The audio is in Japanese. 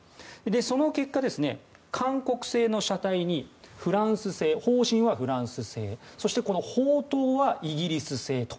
その結果、韓国製の車体に砲身はフランス製そして、砲塔はイギリス製と。